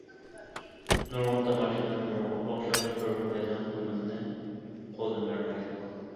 نۇرغۇن تاماشىبىن ئۇنىڭغا ئوخشاش بىرمۇ مەيدان ئويۇننى قولدىن بەرمىگەن.